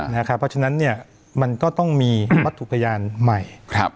เพราะฉะนั้นมันก็ต้องมีวัตถุพยานใหม่